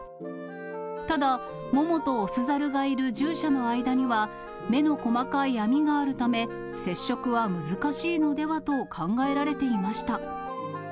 ただ、モモと雄ザルがいる獣舎の間には、目の細かい網があるため、接触は難しいのではと考えられていました。